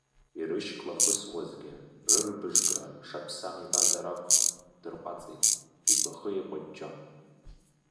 Ирышьклахысуазгьы, рырбыжкра шаԥсам ибазар акәхап, дырҟәаҵит, игәахы еиҟәыҷҷо.